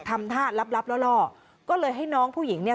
ทำท่าลับลับล่อก็เลยให้น้องผู้หญิงเนี่ย